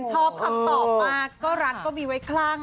ชอบคำตอบมากก็รักก็มีไว้คลั่ง